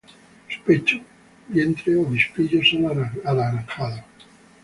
Su pecho, vientre, obispillo son anaranjados.